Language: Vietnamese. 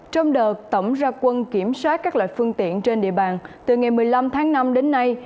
trong đợt tổng ra quân kiểm soát các loại phương tiện trên địa bàn từ ngày một mươi năm tháng năm đến nay